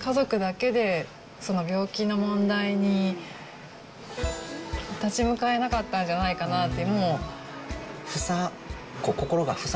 家族だけで病気の問題に立ち向かえなかったんじゃないかなっ菊池）